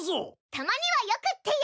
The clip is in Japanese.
たまにはよくってよ。